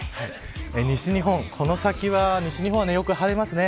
西日本この先はよく晴れますね。